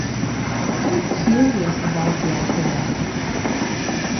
I'm curious about the afterlife.